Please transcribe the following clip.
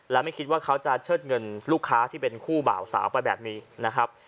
และไม่คิดว่าเขาจะเชิดเงินลูกค้าที่เป็นคู่บ่าวสาวไปแบบนี้นะครับ